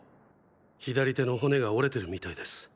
左手の骨が折れてるみたいです。